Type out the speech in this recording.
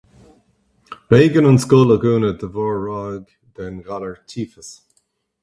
B'éigean an scoil a dhúnadh de bharr ráig den ghalar tífeas.